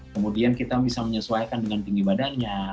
kemudian kita bisa menyesuaikan dengan tinggi badannya